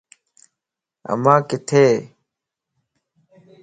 امان ڪٿيءَ؟